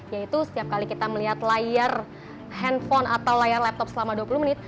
yaitu setiap kali kita melihat layar handphone atau layar laptop selama dua puluh menit